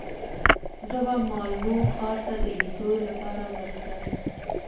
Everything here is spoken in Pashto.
زه به مالمو ښار ته د لیدو لپاره ورتلم.